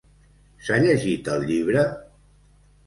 S'ha llegit el llibre?